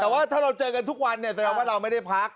แต่ว่าถ้าเราเจอกันทุกวันเนี่ยแสดงว่าเราไม่ได้พัก